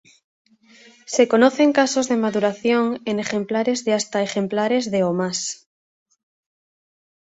Se conocen casos de maduración en ejemplares de hasta ejemplares de o más.